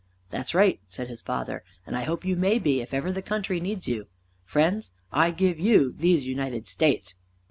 "That's right," said his father, "and I hope you may be if ever the country needs you. Friends, I give you these United States!"